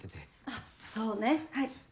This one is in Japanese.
あっそうねはい。